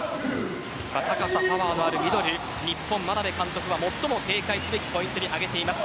高さ、パワーのあるミドル日本、眞鍋監督が最も警戒すべきポイントに挙げています。